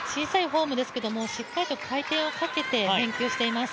小さいフォームですけどもしっかりと回転をかけて返球しています。